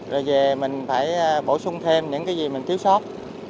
rồi về mình phải bổ sung thêm những cái gì mình thiếu sót